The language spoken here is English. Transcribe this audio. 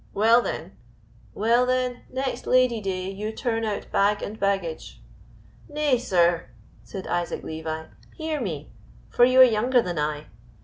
well, then " "Well, then, next Lady day you turn out bag and baggage. "Nay, sir," said Isaac Levi, "hear me, for you are younger than I. Mr.